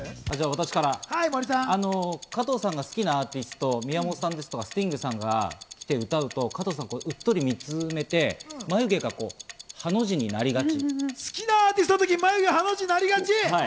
阿藤さんが加藤さんが好きなアーティスト・宮本さんとかスティングさんが来て歌うと、加藤さん、うっとり見つめて、眉毛がハの時になりがち。